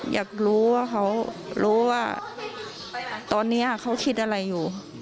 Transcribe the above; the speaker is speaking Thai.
อยากรู้ว่าเขารู้ว่าตอนนี้เขาคิดอะไรอยู่